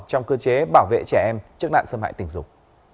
trong cơ chế bảo vệ trẻ em trước nạn xâm hại tình dục